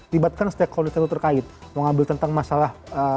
libatkan setiap kondisi terkait mengambil tentang masalah